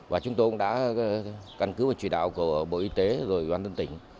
và chúng tôi cũng đã căn cứ và chỉ đạo của bộ y tế rồi bộ an tân tỉnh